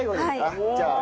じゃあ。